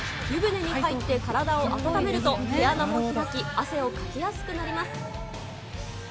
湯船に入って体を温めると、毛穴も開き、汗をかきやすくなります。